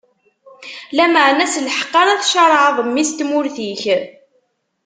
Lameɛna s lḥeqq ara tcaṛɛeḍ mmi-s n tmurt-ik.